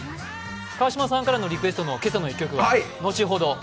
川島さんからのリクエストの一曲は、後ほど